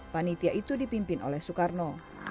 panitia itu dipimpin oleh soekarno